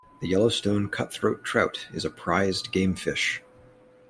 The Yellowstone cutthroat trout is a prized game fish.